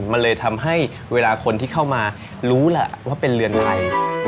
มันเลยทำให้เวลาคนที่เข้ามารู้แหละว่าเป็นเรือนไทย